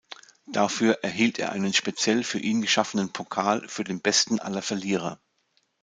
Dafür erhielt er einen speziell für ihn geschaffenen Pokal für den „besten aller Verlierer“.